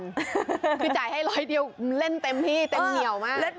คือจ่ายให้ร้อยเดียวเล่นเต็มที่เต็มเหนียวมาก